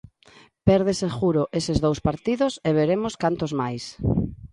Perde seguro eses dous partidos, e veremos cantos máis.